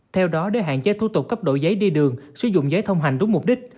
theo đó để hạn chế thủ tục cấp đổi giấy đi đường sử dụng giấy thông hành đúng mục đích